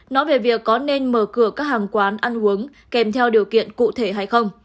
nói về việc có nên mở cửa các hàng quán ăn uống kèm theo điều kiện cụ thể hay không